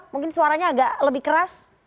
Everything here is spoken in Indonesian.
mungkin suaranya agak lebih keras